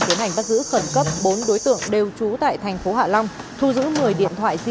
tiến hành bắt giữ khẩn cấp bốn đối tượng đều trú tại thành phố hạ long thu giữ một mươi điện thoại di